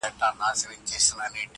وجدان او وېره ورسره جنګېږي تل,